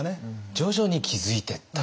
徐々に気付いていった？